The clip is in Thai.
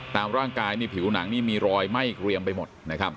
ตามร่างกายผิวหนังมีรอยไหม้เกลี่ยมไปหมด